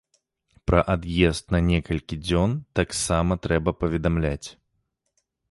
Пра ад'езд на некалькі дзён таксама трэба паведамляць.